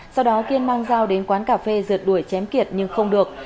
sau đó kiên mang dao đến quán cà phê rượt đuổi chém kiệt nhưng không được